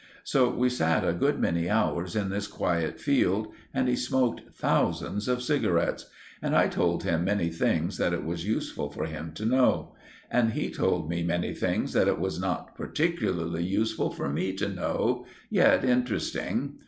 So we sat a good many hours in this quiet field; and he smoked thousands of cigarettes, and I told him many things that it was useful for him to know; and he told me many things that it was not particularly useful for me to know, yet interesting.